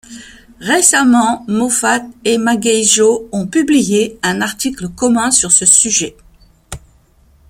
Récemment, Moffat et Magueijo ont publié un article commun sur ce sujet.